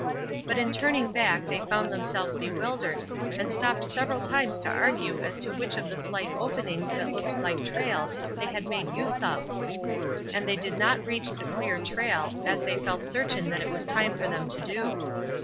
But in turning back they found themselves bewildered, and stopped several times to argue as to which of the slight openings that looked like trails they had made use of. And they did not reach the clear trail, as they felt certain that it was time for them to do.